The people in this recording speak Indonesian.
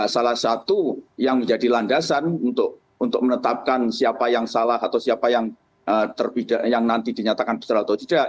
salah satu yang menjadi landasan untuk menetapkan siapa yang salah atau siapa yang nanti dinyatakan betul atau tidak